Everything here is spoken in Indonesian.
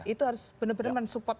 itu harus benar benar men support